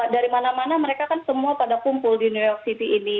dari mana mana mereka kan semua pada kumpul di new york city ini